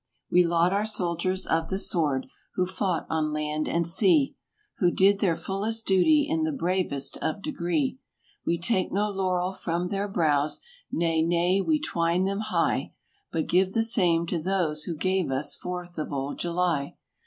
159 I We laud our soldiers of the sword who fought on land and sea, Who did their fullest duty in the bravest of degree ; We take no laurel from their brows—nay, nay we 'twine them high— But give the same to those who gave us Fourth of old July.